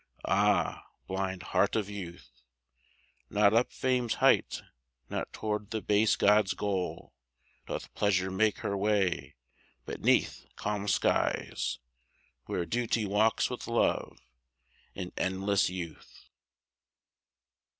Ah, blind heart of youth, Not up fame's height, not toward the base god's goal, Doth Pleasure make her way, but 'neath calm skies Where Duty walks with Love in endless youth.